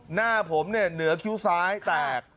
หน้าผมเนี่ยเหนือคิ้วซ้ายแตก